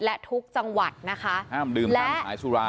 และห้ามดื่มทางหลายสูรา